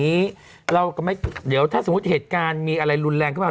นี้เราก็ไม่เดี๋ยวถ้าสมมุติเหตุการณ์มีอะไรรุนแรงขึ้นมา